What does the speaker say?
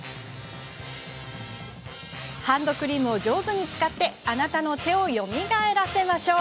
ハンドクリームを上手に使ってあなたの手をよみがえらせましょう。